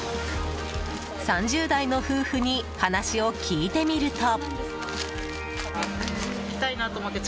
３０代の夫婦に話を聞いてみると。